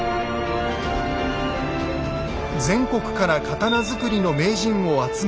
全国から刀作りの名人を集め